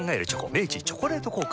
明治「チョコレート効果」